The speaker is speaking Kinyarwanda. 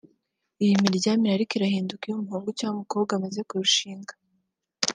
Iyi miryamire ariko irahinduka iyo umuhungu cyangwa umukobwa amaze kurushinga